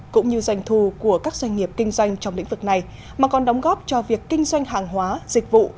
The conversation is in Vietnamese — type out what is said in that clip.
cũng như doanh thu của các doanh nghiệp kinh doanh trong lĩnh vực này mà còn đóng góp cho việc kinh doanh hàng hóa dịch vụ